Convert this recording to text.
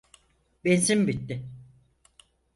Benzin bitti.